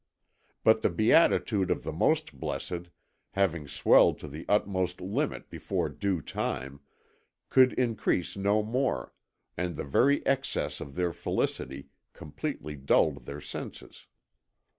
But the beatitude of the most blessed, having swelled to the utmost limit before due time, could increase no more, and the very excess of their felicity completely dulled their senses.